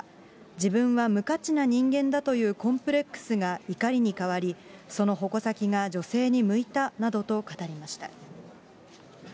自分は無価値な人間だというコンプレックスが怒りに変わり、その矛先が女性に向いたなどと語りました。